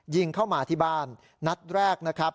ยิงเข้ามาที่บ้านนัดแรกนะครับ